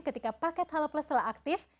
ketika paket halo plus telah aktif